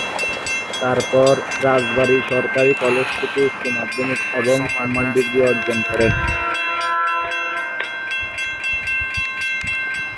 তারপর রাজবাড়ী সরকারি কলেজ থেকে উচ্চ মাধ্যমিক এবং সম্মান ডিগ্রি অর্জন করেন।